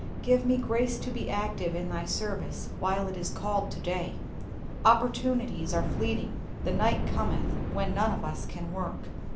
Give me grace to be active in Thy service while it is called to day. Opportunities are fleeting. The night cometh wherein none of us can work.